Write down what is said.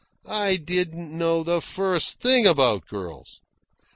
I didn't know the first thing about girls.